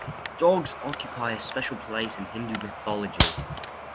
Dogs occupy a special place in Hindu mythology.